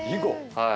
はい。